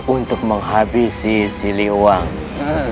untuk menghabisi siliwangi